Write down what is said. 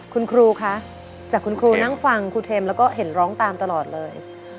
คุณครูคะจากคุณครูนั่งฟังครูเทมแล้วก็เห็นร้องตามตลอดเลย